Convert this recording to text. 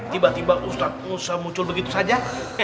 tiba tiba ustadz muncul begitu saja